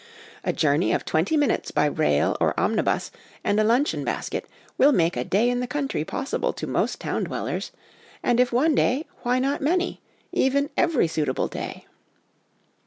A journey of twenty minutes by rail or omni bus, and a luncheon basket, will make a day in the country possible to most town dwellers ; and if one day, why not many, even every suitable day